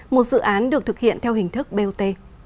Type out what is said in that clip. một dự án được thực hiện theo hình thức bot